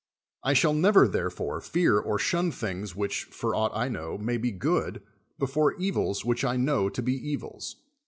I shall never, therefore, fear or shun things which, for aught I know, may be good, before evils which I know to be evils.